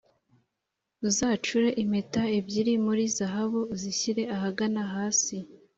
uzacure impeta ebyiri muri zahabu uzishyire ahagana hasi